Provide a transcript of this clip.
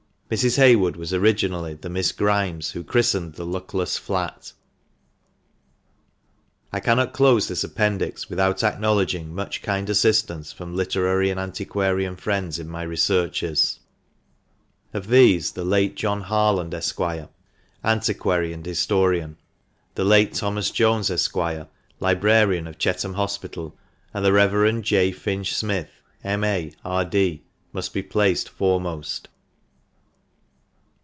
Mrs. Heywood was originally the Miss Grimes who christened the luckless flat. I cannot close this Appendix without acknowledging much kind assistance from literary and antiquarian friends in my researches. Of these the late John Harland, Esq , antiquary and historian; the late Thomas Jones, Esq., librarian of Chetham Hospital; and the Rev. J. Finch Smith, M.A., R.D., must be placed foremost.